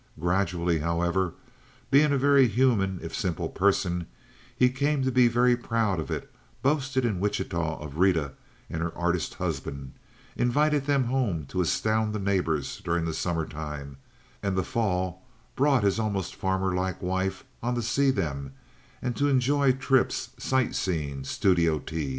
Gradually, however, being a very human if simple person, he came to be very proud of it—boasted in Wichita of Rita and her artist husband, invited them home to astound the neighbors during the summer time, and the fall brought his almost farmer like wife on to see them and to enjoy trips, sight seeing, studio teas.